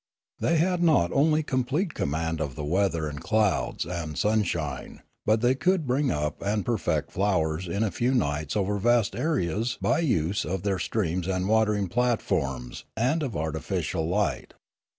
They had not only complete command of the weather and clouds and sunshine; but they could bring up and perfect flowers in a few nights over vast areas by the use of their streams and watering platforms and of artificial light.